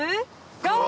ゴー！